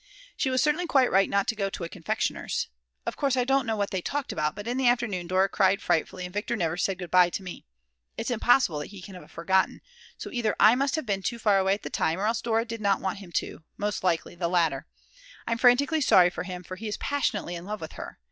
She was certainly quite right not to go to a confectioner's. Of course I don't know what they talked about, but in the afternoon Dora cried frightfully, and Viktor never said good bye to me; it's impossible that he can have forgotten, so either I must have been too far away at the time, or else Dora did not want him to; most likely the latter. I'm frantically sorry for him, for he is passionately in love with her.